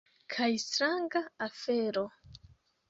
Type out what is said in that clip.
Kaj stranga afero.